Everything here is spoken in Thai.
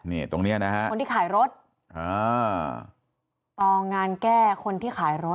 นี่ตรงเนี่ยนะครับคนที่ขายรถตองงานแก้คนที่ขายรถ